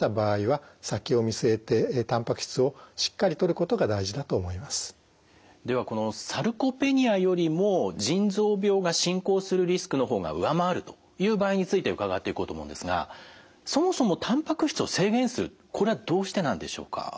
え病気があってもなくてもではこのサルコペニアよりも腎臓病が進行するリスクの方が上回るという場合について伺っていこうと思うんですがそもそもたんぱく質を制限するこれはどうしてなんでしょうか？